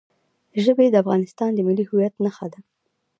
ژبې د افغانستان د ملي هویت نښه ده.